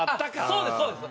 そうですそうです。